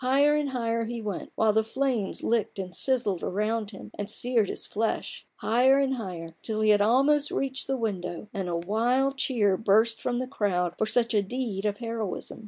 Higher and higher he went, while the flames licked and sizzled around him and seared his flesh : higher and higher till he had almost reached the window, and a wild cheer burst from the crowd for such a deed of heroism.